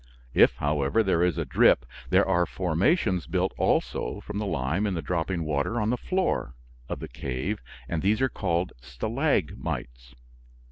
If, however, there is a drip, there are formations built also from the lime in the dropping water on the floor of the cave, and these are called stalagmites.